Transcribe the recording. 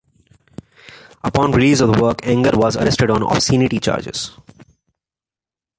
Upon release of the work, Anger was arrested on obscenity charges.